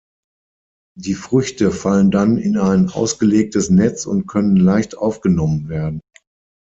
Die Früchte fallen dann in ein ausgelegtes Netz und können leicht aufgenommen werden.